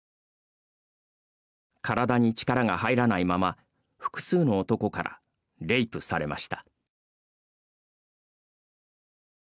体に力が入らないまま複数の男からレイプされました。